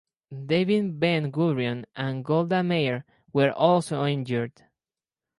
David Ben-Gurion and Golda Meir were also injured.